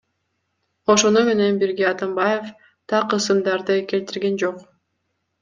Ошону менен бирге Атамбаев так ысымдарды келтирген жок.